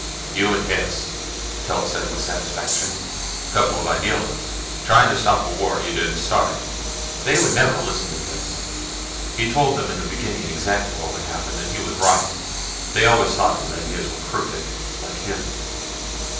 "You and Hys," Telt said with satisfaction. "Couple of idealists. Trying to stop a war you didn't start. They never would listen to Hys. He told them in the beginning exactly what would happen, and he was right. They always thought his ideas were crooked, like him.